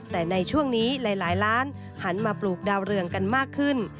แต่ในช่วงนี้หลายล้านหันมาปลูกดาวเรืองกันมากขึ้น